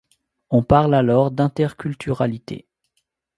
On parle alors d'interculturalité.